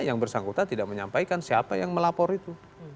yang bersangkutan tidak menyampaikan siapa yang melapor itu